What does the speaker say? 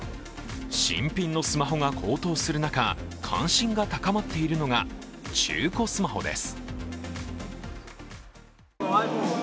新品のスマホが高騰する中、関心が高まっているのが中古スマホです。